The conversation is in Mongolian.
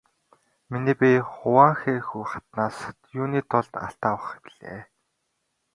Миний бие Хуванхэхү хатнаас юуны тулд алт авах билээ?